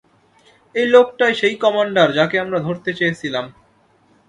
এই লোকটাই সেই কমান্ডার যাকে আমরা ধরতে চেয়েছিলাম।